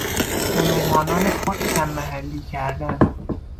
به مهمانان خود کم محلی کردن